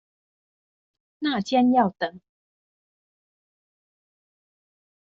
那間要等